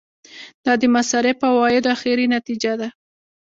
دا د مصارفو او عوایدو اخري نتیجه ده.